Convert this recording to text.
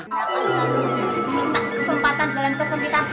enggak pak jamin kita kesempatan dalam kesempitan